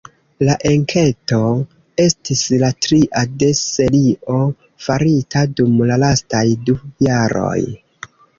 La enketo estis la tria de serio farita dum la lastaj du jaroj.